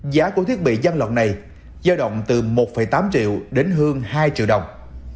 giá của thiết bị gian lộn này giao động từ một tám triệu đến hơn hai triệu đồng